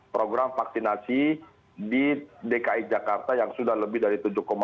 program vaksinasi di dki jakarta yang sudah lebih dari tujuh empat